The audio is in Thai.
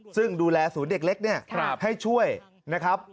ซึ่งดูแลศูนย์เด็กเล็กเนี่ยให้ช่วยนะครับ